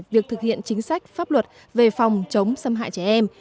việc thực hiện chính sách pháp luật về phòng chống xâm hại trẻ em